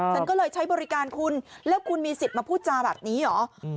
ฉันก็เลยใช้บริการคุณแล้วคุณมีสิทธิ์มาพูดจาแบบนี้เหรอ